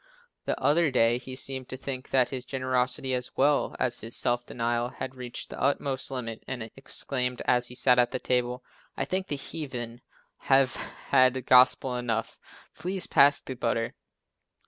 The other day he seemed to think that his generosity, as well as his self denial, had reached the utmost limit and exclaimed as he sat at the table, "I think the heathen have had gospel enough, please pass the butter."